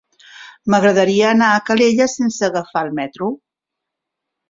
M'agradaria anar a Calella sense agafar el metro.